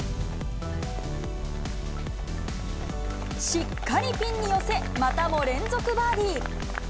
しっかりピンに寄せ、またも連続バーディー。